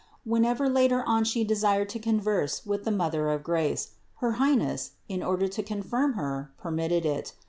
Whenever later on she desired to converse with the Mother of grace, her Highness, in order to confirm her, permitted it.